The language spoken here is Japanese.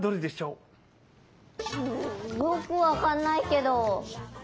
うんよくわかんないけど３ばん？